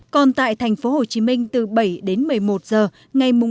còn tại tp hcm từ bảy đến một mươi một giờ ngày ba tháng năm